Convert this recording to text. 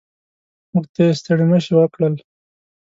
موږ ته یې ستړي مه شي وکړل.